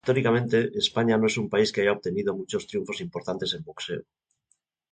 Históricamente, España no es un país que haya obtenido muchos triunfos importantes en boxeo.